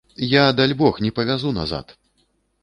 Я, дальбог, не павязу назад!